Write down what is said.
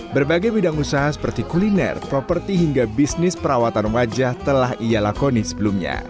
berbagai bidang usaha seperti kuliner properti hingga bisnis perawatan wajah telah ia lakoni sebelumnya